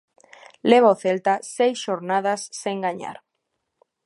Leva o Celta seis xornadas sen gañar.